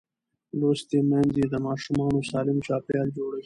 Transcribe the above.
لوستې میندې د ماشوم سالم چاپېریال جوړوي.